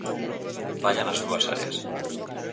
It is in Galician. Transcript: Falla nas dúas áreas.